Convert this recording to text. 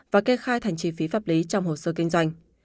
và kê khai thành chi phí pháp lý trong hồ sơ kinh doanh